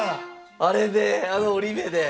あれであの折り目で。